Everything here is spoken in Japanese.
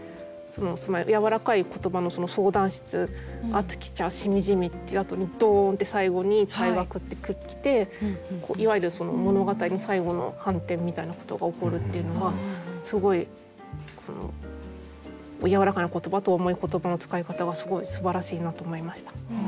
やわらかい言葉の「相談室」「熱き茶」「しみじみ」っていうあとにドーンって最後に「退学」って来ていわゆるその物語の最後の反転みたいなことが起こるっていうのがすごいその「やわらかな言葉」と「重い言葉」の使い方がすごいすばらしいなと思いました。